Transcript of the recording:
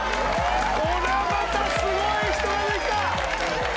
これはまたすごい人が出てきた。